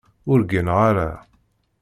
Ur gineɣ ara.